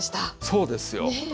そうですよ。ねえ。